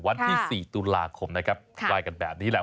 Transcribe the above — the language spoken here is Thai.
วันที่๔ตุลาคมนะครับไหว้กันแบบนี้แหละ